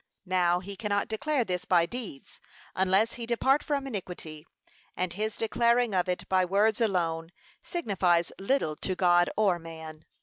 Now he cannot declare this by deeds, unless he depart from iniquity; and his declaring of it by words alone, signifies little to God or man.